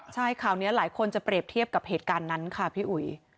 ใช่ข่าวนี้หลายคนจะเปรียบเทียบกับเหตุการณ์นั้นค่ะพี่อุ๋ย